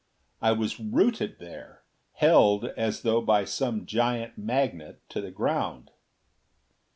I was rooted there; held, as though by some giant magnet, to the ground!